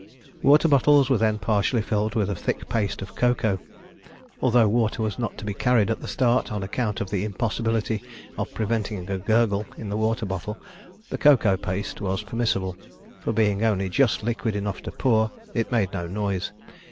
Water bottles were then partially filled with a thick paste of cocoa. Although water was not to be carried at the start, on account of the impossibility of preventing a gurgle in the water bottle, the cocoa paste was permissible, for, being only just liquid enough to pour, it made no noise.